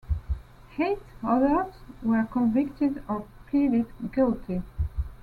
Eight others were convicted or pleaded guilty.